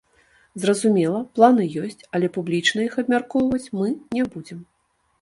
Зразумела, планы ёсць, але публічна іх абмяркоўваць мы не будзем.